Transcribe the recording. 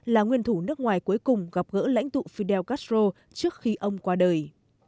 là nguyên thủ nước ngoài cuối cùng gặp gỡ lãnh tụ fidel castro trước khi ông qua đời